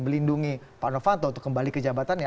melindungi pak nofanto untuk kembali ke jabatan ya